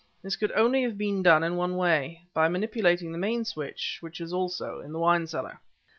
This could only have been done in one way: by manipulating the main switch, which is also in the wine cellar."